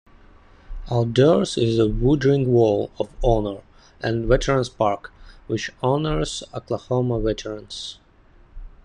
Outdoors is the Woodring Wall of Honor and Veterans Park, which honors Oklahoma veterans.